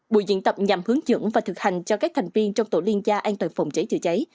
buổi diễn tập nhằm hướng dẫn và thực hành cho các thành viên trong tổ liên gia an toàn phòng cháy chữa cháy